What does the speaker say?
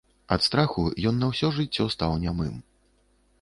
Ад страху ён на ўсё жыццё стаў нямым.